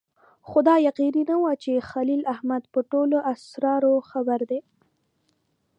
خو دا یقیني نه وه چې خلیل احمد په ټولو اسرارو خبر دی.